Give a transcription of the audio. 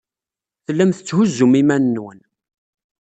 Tellam tetthuzzum iman-nwen.